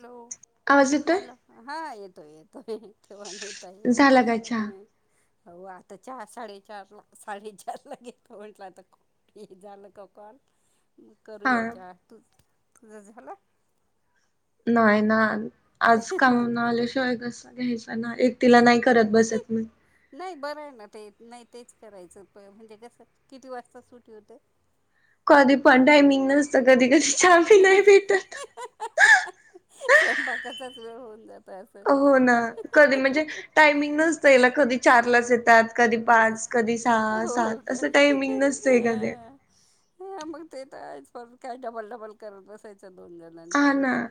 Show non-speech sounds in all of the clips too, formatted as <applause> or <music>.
Hello आवाज येतोय? हा येतोय येतोय तेव्हा नव्हता येत झाला का हा. चहा? हो आता चाहा साडेचारला साडेचार ला घेतो म्हटलं आता खूप हे झालं का कॉल मग हा करूया चहा तू तुझा झाला? नाही ना आज नाही कामावरुन आल्याशिवाय कसं घ्यायचं ना एक तिला नाही करत बसत मी नाही बरं आहे ना ते नाही तेच करायचं म्हणजे कसं किती वाजता सुट्टी होते. कधी पण टायमिंग नसतं कधी कधी चहा पी नाही भेटत. स्वयंपाकाचाच वेळ होऊन जात असं हो ना कधी म्हणजे टायमिंगच नसतो याला कधी चारलाच येतात कधी पाच कधी हो सहा हो सात का असं टायमिंग नसतं ए कधी ह मग ते तर आहेच परत काय डबल डबल करत बसायचं दोन हा जणांसाठी. ना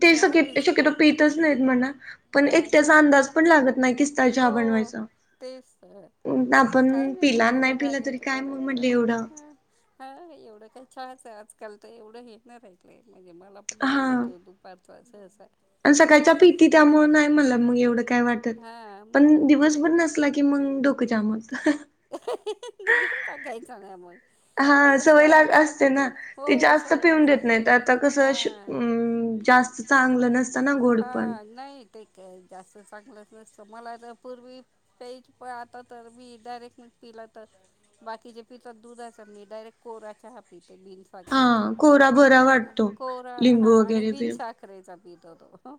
ते तर शक्य आहेच शक्यतो पितच नाहीत म्हणा, पण हा एकटयाचा हा. त्याचा अंदाज पण लागत नाही की त चहा हो बनवायचा. तेच तर. नाही आपण काही पिला बरं आहे नाही बघा पिला आणि तरी ते काय मग बरं नाही म्हटलं वाटत एवढं हा. हा एवढं काही चहाच आहे आजकाल तर एवढं हे ना राहिलंय म्हणजे मला पण मिळतं हा हो तूप पारथवाच असा हाय. आणि सकाळच्या पीती त्यामुळे नाही मला मग एवढं काय वाटत, हा मग पण काय दिवसभर नस एकदा नसला की मगं डोक जाम होत. घेऊन टाकायचा ना मग. हा थोडस सवय लाग अर्धा असते अर्धा ना. कप, हो ते स जास्त पिऊन अस, देत नाहीत आता कसं हा, श अं नीस जास्त चांगलं नसतं ना <unintelligible> गोड पण. हा नाई. ते काय जास्त चांगलंच नसतं मला तर पूर्वी, पेज पात आता तर मी डायरेक्ट म पिला तर? बाकीचे पितात दुधाचा मी डायरेक्ट कोरा चहा पिते बीन हा कोरा बरा वाटतो <unintelligible> कोरा हा लिंबू आणि वगैरे बीन पिऊन सा साखरेचा पीत होतो,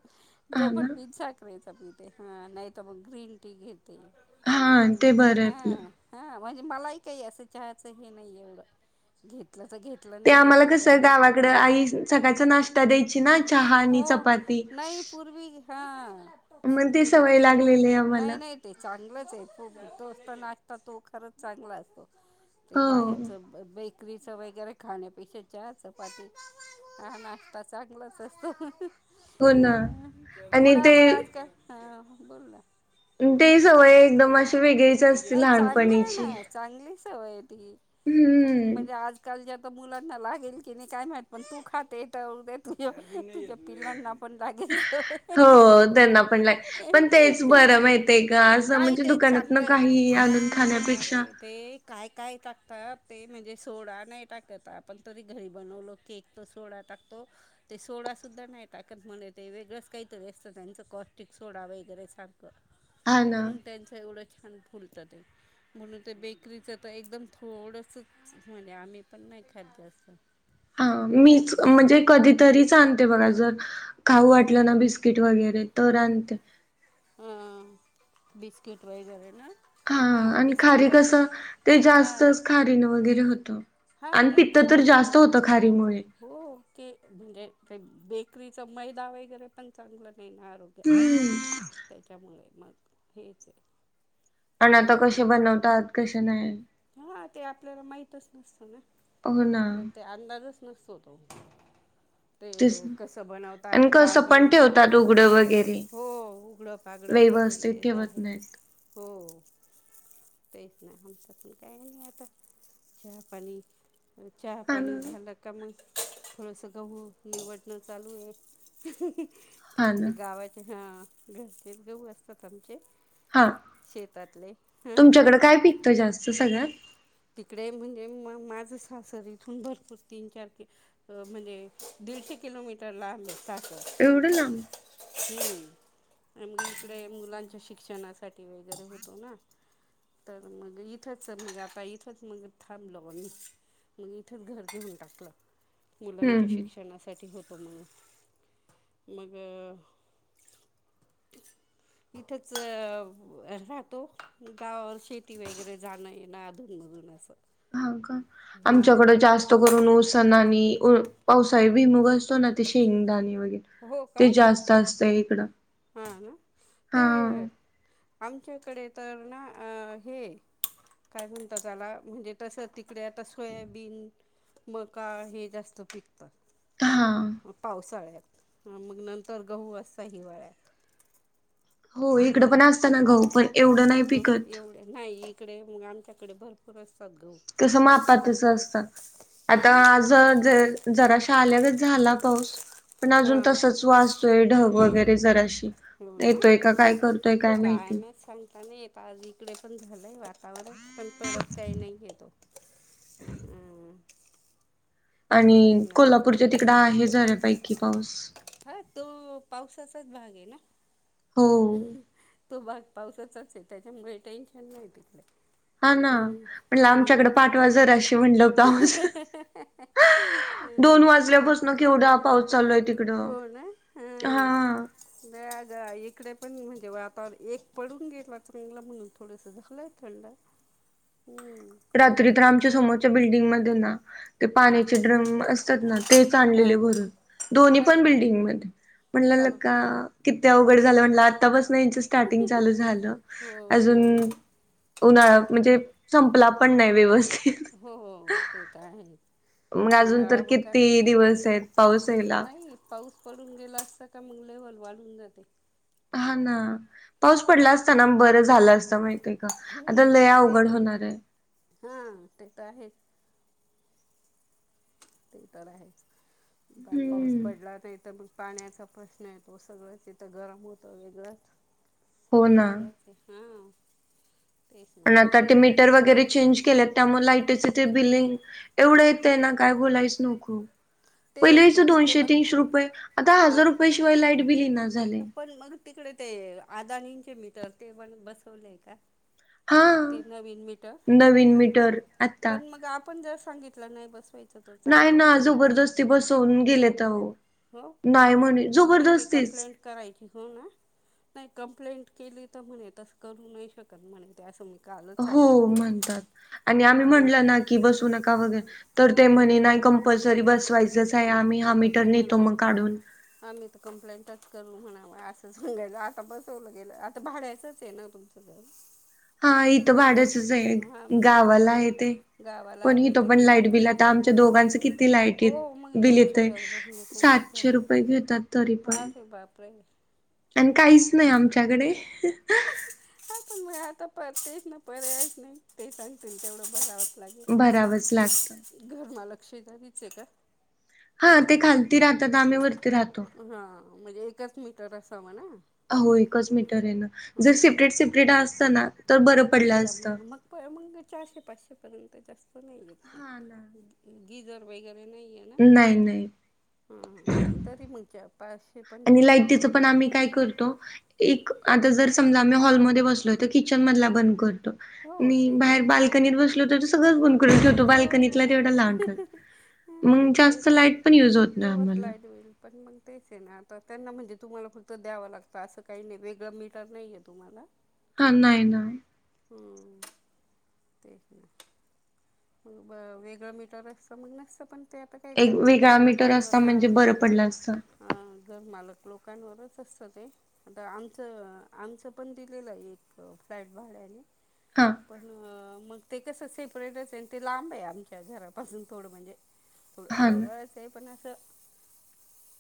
जो हा ना. पण बीन साख खरेचा पिते हा नाही तर मग ग्रीन टी घेते, हा मग ते काय बरं आहे आपलं. हा. हा म्हणजे मलाही काही असं चहाचं हे नाही एवढं, घेतलं तर घेत घतलं ते नाही आम्हाला घेतलं तरी कसं काय फरक गावाकडं नाही, आई सकाळचा नाश्ता द्यायची ना चहा <unintelligible> आणि हो. चपाती. नाही पूर्वी हा, मग ते पूर्वी सवय लाग लागलेली आहे आम्हाला नाही नाही ते चांगलंच आहे तो बी दोस्त नाशता तो खरंच चांगला असतो, ते हो बाहेरचं बेकरीचं वगैरे खाण्यापेक्षा चहा चपाती हा नाष्टा चांगलंच असतो, हो ना. आणि ते मुलाबाळात काय हा बोल ना? ते सवय एकदम अशी वेगळी नाही चांगलं आहे ना चांगली सवय आहे ती, हम्म. म्हणजे आजकालच्या मुलांना लागेल की नाही काय माहित पण तू खाते तर उद्या तुझ्या पिलांना पण लागेल सवय. हो त्यांना ग अस नाही म्हणजे दुकानात न काही आणून खाण्यापेक्षा ते ते काय काय टाकतात ते म्हणजे सोडा नाही टाकत आपण तरी घरी बनवलो केक. तो सोडा टकतो. ते सोडा सुुद्धा नाही टाकत म्हणे ते वेगळंच काहीतरी असतं त्यांचं कॉस्टिक सोडा वगैरे सारखं. हा ना. म्हणून त्यांच एवढं छान फुलत ते. म्हणून ते बेकरीच तर एकदम थोडसच म्हणजे आम्ही पण नाही खात जास्त. हा मीच हम्म म्हणजे कधीतरीच आणते बघा जर खाऊ वाटलं ना बिस्किट वगैरे तर आणते. हा, बिस्किट वगैरे न? हा आणि खारी कस, ते हां जास्तच खारीन वगैरे होतं. हा आणि नाही पित्त तर खारी जास्त वगैरे होतं खारीमुळे. हो के म्हणजे ते बेकरीच मैदा वगैरे पण चांगलं नाही ना आरोग्याला, हम्म. त्याच्यामुळे मग, हेच आहे. आणि आता कशे बनवतात कशे नाही. हा ते आपल्याला माहितच नसत ना, हो ना आपल्याला ते अंदाजच नसतो तो. ते तेच ना. कसं बनवतात आणि काय कसं पण बनवत, ठेवतात उघडं वगैरे हो उघड बागडं कसं व्यवस्थित इथेच ठेवत आहे, नाहीत हो, तेच ना आमच्यात न का नाही आता, चहा पाणी, चहा हा पाणी ना झाल. का मग थोडंसं गहू निवडणं चालू आहे. हा ना थोडेसे गावाचे हा घरचे गहु असतात आमचे. हा, शेतातले हां तुमच्याकडें काय पिकतं जास्त सगळ्यात? तिकडे म्हणजे म माझं सासरी इथून भरपूर तीन चार के अस म्हणजे दीडशे किलोमीटर लांब आहे सासर एवढं लांब? हम्म. आणि मग इकडे मुलांच्या शिक्षणासाठी वगैरे होतो ना? तर मग इथंच म्हणजे आता इथं तस इथ थांबलो आम्ही मग इथच घर घेऊन टाकलं. के हम्म -लांच्या हम्म शिक्षणा सा साठी होतो मग. मग - - इथंच राहतो गावावर शेती वगैरे जाणं येणं अधूनमधून अस हाव का? आमच्याकडे जास्त जास्त करून ओसना आणि पावसाळी भुईमुग असतो ना ते शेंगदाणी वगैर हो का ते जास्त असत इकडं हां ना? हा ते आमच्या इकडे तर ना? अ हे काय म्हणता त्याला म्हणजे तसं तिकडे आता सोयाबीन मका हे जास्त पिकत. हा. म पावसाळ्यात म मग नंतर गहू असत हिवाळ्यात. हो इकडं हां पण असत ना गहू पण एवढं नाही हं पिकत. एवढे नाही इकडे मग आमच्याकडे भर पुर असतात गहू. कसं म मापातच असत. आता हां आज ज जराशा आल्यागत झाला पाऊस. पण अजून हां तसच वाजतोय ढग वगैरे जराशी हो ना? येतोय का काय करतोय काय माहिती. महीत सांगता नाई येत. आज इकडे पण झालं आहे वातावरण. पण पडत काही नाहीय तो. हम्म. आणि कोल्हापूरच्या तिकड आहे जऱ्या पैकी पाऊस. हाय तो पावसाचाच भाग आहे ना? हो तो भाग पावसचाच आहे. त्याच्यामुळे टेन्शन नाही तिकडे. हा ना हम्म म्हणलं हम्म. आमच्याकडे पाठवा जराशी म्हणलं पाऊस. <unintelligible> हम् दोन ते वाजल्यापासून केवढा पाऊस चालू आहे हो तिकडं ना हम् हा. जा जा इकडे पण म्हणजे वातावरण एक पडून गेला चांगलं म्हणून थोडंसं झलंय थंड हम्म. रात्री तर आमच्या समोरच्या बिल्डिंग मधून ना? ते हा पाण्याचे ड्रम असतात ना? तेच हा आणलेले भरून. दोन्ही अरे पण बाप बिल्डिंगमध्ये. म्हणलं ल का कि ती अवघड झालं म्हटलं आतापासन यांची स्टार्टिंग चालू झालं हो अजून मग उन्हाळा म्हणजे संपला पण नाही व्यवस्थित. हो हो ते तर आहे. मग अजून तर उन्हाळा ब कारण किती ते दिवस आहेत पाऊस यायला नाही पाऊस पडून गेला असता का मग लेव्हल वाढून जाते. हा ना. पाऊस पडला असताना बरं झालं असतं माहितय का आता लय अवघड हुणार हाय. हो ते तर आहे. ते तर आहेच बा पाऊस हम्म पडला नाही इथ त मग पाण्याचा प्रश्न येतो सगळंच इथं गरम होतं वेगळंच. हो ना सगळंच ए हा तेच ना. का ते मीटर वगैरे चेंज केल त्यामुळे लाईटेचे ते बिलिंग एवढं येतय ना काय बोलायच नको. ते पहिली याच तिकडे दोनशे बंद तीनशे रुपये आता हा हजार रुपय शिवाय लाईट बिल ईना. पण मग तिकडे ते आदानींचे मीटर ते पण बसवलेय का? हा ते नवीन मीटर नवीन मीटर आता पण मग आपण जर सांगितलं नाय बसवाय च तो चालतो ना ग तसं? दोन गेल्यात अहो हो नाय म्हणे ते जबरदस्तीच. कंप्लेंट करायची हो ना? नाय कंप्लेंट केली तर म्हणे तस करू नाय शक म्हणे ते असं मी कालच हो ऐकलं म्हणतात. आणि आम्ही बर म्हणतात म्हणलं ना की बसू नका वगै तर ते म्हणे नाय कंपल्सरी बसवायचंच हाय हां आम्ही हा मीटर कंपल्सरी न्हेतो म्हणा आम मग काढून. आम्ही त कंप्लेंटच करू म्हणाव असं सांगायच आता बसवलं गेलं आता भाड्याचंच हे ना रूम. <unintelligible> हा इथं भाड्याचच हाय जाऊ दे गावाला आहे ते गावाला पण आहे इथ ते पण लाईट गावाला बिल आता आम च्या दोघांच किती लाईट हो मग बिल एवढा येतय. हजार रुपये म्हणजे खूपच सातशे झालं रुपये घेतात तरी पण. अरे बापरे आणि काहीच नाय आमच्याकडे. हा पण मग आता पर तेच ना पर्यायच नाय ते सांगतील तेवढं भरावंच लागेल. वच लागत. घर मालक शेजारीच ए का? हा ते खालती राहतात आम्ही वरती राह हा म्हणजे एकच मीटर असावं ना? हो एकच मीटर ए ना जर हां मग सेपरेट सेपरेट असतं ना तर बरं पडलं त्यामुळे असत. मग मग प मग चारशे पाचशे पर्यंत जास्त नाय येत हा गिजर वगैरे नाहीये. नाय नाय. हा हा मग तरी मग पाचशे पण आणि ठीक आहे लाईटीचं बघ. पण आम्ही काय करतो एक आता जर समजा आम्ही हॉलमध्ये बसलोय तर किचन मधला बंद करतो. हो आणि ते तर बाहेर करायचं बाल्कनीत बसलो सगळच बंद करून ठेवतो हो बालकणीतला मग तेवढा लाऊन काय ठेवतो मग हा ते जास्त तर लाईट पण युज होत नाय तेव्हाच आम्हाला. लाईट होईल पण मग तेच ए ना आता त्यांना म्हणजे तुम्हाला फक्त द्यावं लागतं असं काय नाय वेगळं मीटर नाहीये तुम्हाला? हा नाय ना. हम्म. तेच ना. ब वेगळं मीटर असतं मग नसतं पण ते आता काय एक वेगळा घरमालक मीटर लोकांवर असता हा. म्हणजे बरं पडलं असतं. हा घर मालक लोकांवरच असतं ते. आता आमचं आमचं पण दिलेलं आय एक फ्लॅट भाड्याने. हा पण मग ते कस सेपरेट ए. ते लांब आहे आमच्या घरापासून थोडं म्हणजे थोडं हा ना. जवळ ते पण असं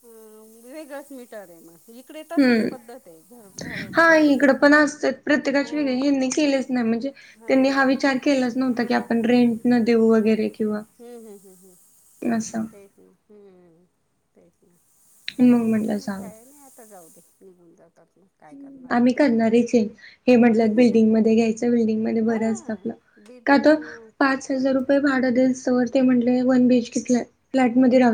वेगळंच मिटर हाय मग इकडे तसंच पद्धत आहे घर हम्म हा भाडवतेंची इकडं पण असत्यात हो प्रत्येकाची वेगळी यांनी केलेच नाही म्हणजे हां त्यांनी हां हा काय विचार केलाच नव्हता. की आपण रेंट न देऊ वगैरे किंवा हम्म हम्म हम्म हम्म असं तेच ना हम्मम्. तेच ना जाऊ दे मग काय नाही आता जाऊ दे निघून जातात ना. आम्ही करणारे चेंज, हे म्हटलंत बिल्डिंग मध्ये घ्यायचं बिल्डिंग मध्ये बरं असतं हां आपलं. बी बँक हां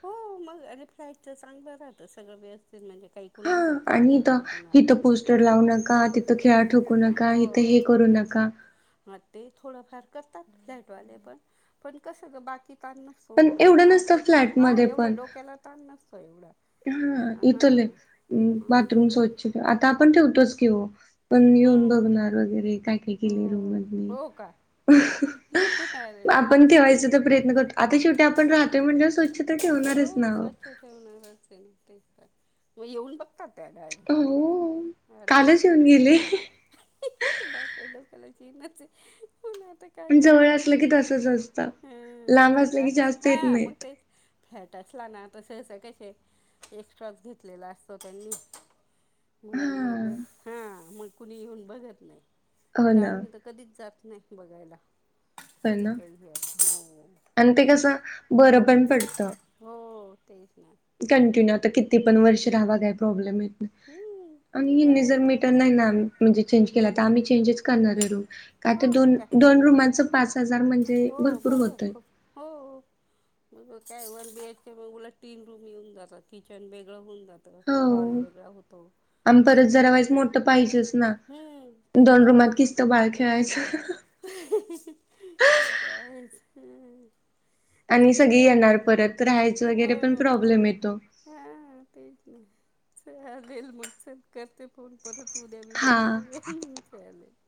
<unintelligible> <unintelligible> हो मग अरे फ्लाईटचं चांगलं राहतं सगळं व्यवस्थित म्हणजे काही हा कुणाचं ताण आणि इथ नसतो कुणाला. <unintelligible> हा ते थोडंफार करतात फ्लॅट वाले पण, पण कसं ग बाकी <unintelligible> पण एवढं नसतं फ्लॅटमध्ये पण हा हां इथल आहे. हं बाथरूम स्वच्छ आता आपण ठेवतोच कि ओ. पण येऊन हो मग बघणार वगैरे काय काय केले रूम हो मध्ये. हो का अरे आपण बापरे ठेवायचा तर प्रयत्न करतो, आता शेवटी आपण राहतोय म्हणलं <unintelligible> हो अरे कालच बापरे येऊन गेले. पण जवळ असलं <unintelligible> की तसच असतं लांब असलं की जास्त येत नाहीत <unintelligible> <unintelligible> म्हणून मग हा हा मग कुणी येऊन बघत नाही हो आता ना आम्ही तर. कधीच जात नाही बघायला. <unintelligible> <unintelligible> आणि ते कस बर पण पडत. हो तेच ना कंटिन्यू आता किती पण वर्ष राहावा काय प्रॉब्लेम नाय. हम्म आणि ते तर हिनी जर आहेच मीटर नाही ना म्हणजे चेंज केला, तर आम्ही चेंजच करणार आहे रूम. आता हां मग दोन काय दोन रुमांचं पाच हजार म्हणजे हो भरपूर बरं होतय. खूप हो मग काय वन बी एच के मग उलट तीन रूम येऊन जातात, किचन वेगळं होऊ जातं. हॉल वेगळा होतो. आम परत असं जरा व्हाच मोठं पाहिजेच, ना हम्म ते तर दोन रुमात आहेच किस्त बाळ खेळायचं. <unintelligible> आणि सगळी चालेल येणार परत राहायचं हो वगैरे पण प्रॉब्लेम येतो. <unintelligible> हा <unintelligible>